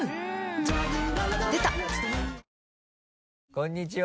「こんにちは」